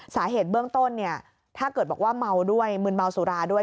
สาเหตุเบื้องต้นเนี่ยถ้าเกิดบอกว่าเมาด้วยมืนเมาสุราด้วย